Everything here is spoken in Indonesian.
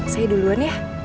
saya duluan ya